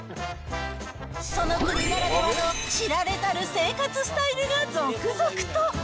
その国ならではの知られざる生活スタイルが続々と。